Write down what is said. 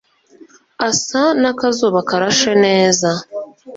asa n' akazuba karashe neza